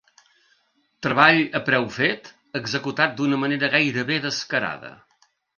Treball a preu fet, executat d'una manera gairebé descarada.